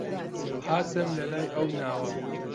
هاتم لە لای ئەو ناوە